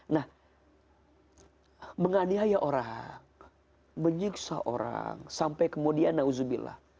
nah mengadihaya orang menyiksa orang sampai kemudian na'udzubillah